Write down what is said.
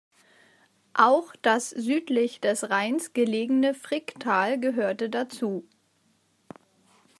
Auch das südlich des Rheins gelegene Fricktal gehörte dazu.